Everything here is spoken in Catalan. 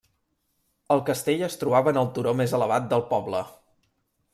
El castell es trobava en el turó més elevat del poble.